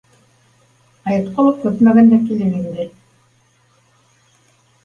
Айытҡолов көтмәгәндә килеп инде